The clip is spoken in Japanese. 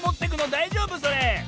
だいじょうぶそれ？